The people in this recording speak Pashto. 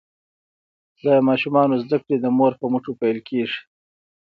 د ماشومانو زده کړې د مور په مټو پیل کیږي.